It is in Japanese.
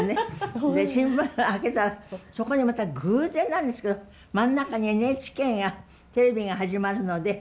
で新聞開けたらそこにまた偶然なんですけど真ん中に「ＮＨＫがテレビが始まるので募集する」と書いたのが出てたんです。